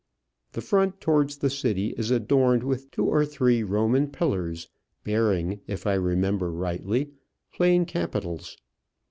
The front towards the city is adorned with two or three Roman pillars, bearing, if I remember rightly, plain capitals.